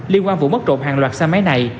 liên quan vụ mất trộm hàng loạt xe máy này